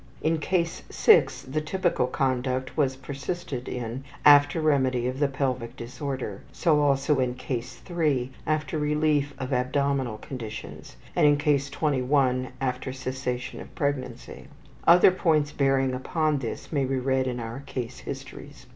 In Case 6 the typical conduct was persisted in after remedy of the pelvic disorder; so also in Case 3 after relief of abdominal conditions, and in Case 21 after cessation of pregnancy. Other points bearing upon this may be read in our case histories.